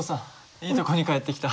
いいとこに帰ってきた。